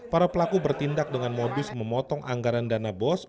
para pelaku bertindak dengan modus memotong anggaran dana bos